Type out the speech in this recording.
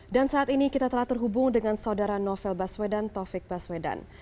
dan saat ini kita telah terhubung dengan saudara novel baswedan taufik baswedan